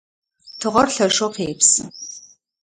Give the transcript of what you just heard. Тыгъэр лъэшэу къепсы.